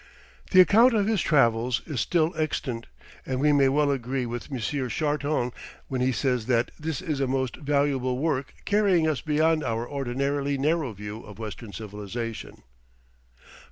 The account of his travels is still extant, and we may well agree with M. Charton when he says that "this is a most valuable work, carrying us beyond our ordinarily narrow view of western civilization."